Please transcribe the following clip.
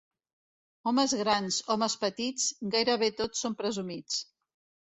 Homes grans, homes petits, gairebé tots són presumits.